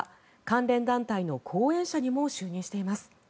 関連団体の後援者にも就任しています。